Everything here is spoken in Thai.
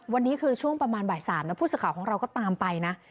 วันนี้ช่วงประมาณบ่ายสามเราพูดส๖๙ของเราก็ตามไปนะ